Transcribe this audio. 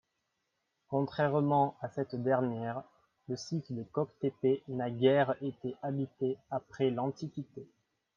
Contrairement à cette dernière, le site de Koktepe n'a guère été habité après l'Antiquité.